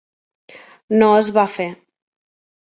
No es va fer.